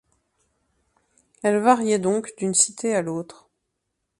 Elle variait donc d'une cité à l'autre.